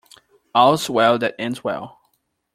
All's well that ends well.